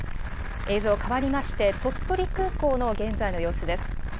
映像、変わりまして、鳥取空港の現在の様子です。